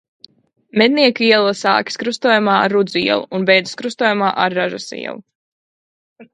Mednieku iela sākas krustojumā ar Rudzu ielu un beidzas krustojumā ar Ražas ielu.